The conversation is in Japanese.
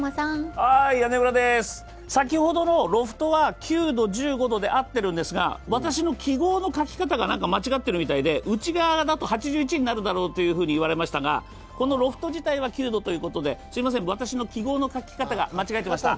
先ほどのロフトは９度、１５度で合ってるんですが、私の記号の書き方が間違っているみたいなんでこのロフト自体は９度ということですみません、私の記号の書き方が間違えていました。